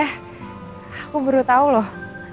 aku baru tahu loh